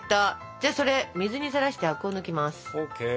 じゃあそれ水にさらしてアクを抜きます。ＯＫ。